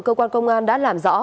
cơ quan công an đã làm rõ